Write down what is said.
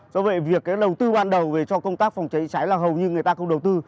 do vậy việc cái đầu tư ban đầu về cho công tác phòng cháy cháy là hầu như người ta không đầu tư